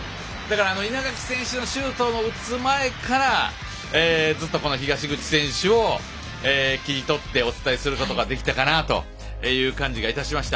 稲垣選手がシュートを打つ前からずっと東口選手を切り取ってお伝えすることができたかなという感じがいたしました。